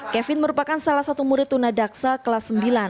kevin merupakan salah satu murid tunadaksa kelas sembilan